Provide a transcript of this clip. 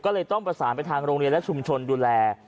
ก็เลยต้องประสานไปทางโรงเรียนและชุมชนดูแล